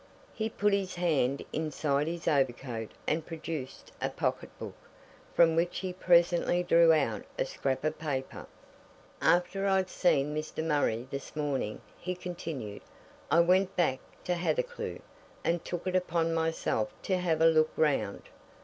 He put his hand inside his overcoat and produced a pocket book, from which he presently drew out a scrap of paper. "After I'd seen Mr. Murray this morning," he continued, "I went back to Hathercleugh, and took it upon myself to have a look round.